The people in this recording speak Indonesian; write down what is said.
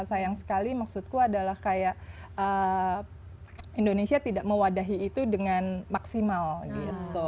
sayang sekali maksudku adalah kayak indonesia tidak mewadahi itu dengan maksimal gitu